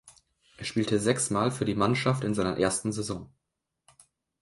Er spielte sechs Mal für die Mannschaft in seiner ersten Saison.